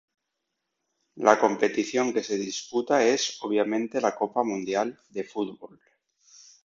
La competición que se disputa es, obviamente, la Copa Mundial de Fútbol.